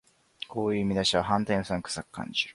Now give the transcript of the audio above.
こういう見出しは反対にうさんくさく感じる